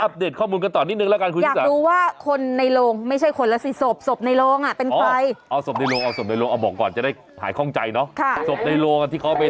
เพราะเรื่องตอนที่เราจะเล่าตอนนี้นะมีเรื่องเด็ดอยากจะบอกกัน